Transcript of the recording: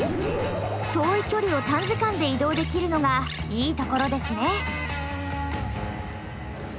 遠い距離を短時間で移動できるのがいいところですね。